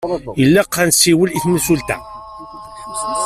Ilaq ad nsiwel i temsulta.